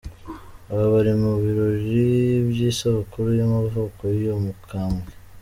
Aba bari mu birori by’isabukuru y’amavuko y’uyu mukambwe.